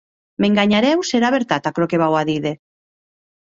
M’enganharè o serà vertat aquerò que vau a díder?